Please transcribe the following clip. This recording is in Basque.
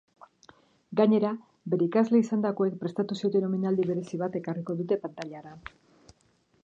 Gainera, bere ikasle izandakoek prestatu zioten omenaldi berezi bat ekarriko dute pantailara.